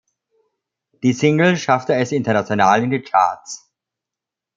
Die Single schaffte es international in die Charts.